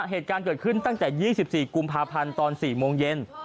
เหตุการณ์เกิดขึ้นตั้งแต่๒๔กุมภาพันธ์ตอน๔โมงเย็น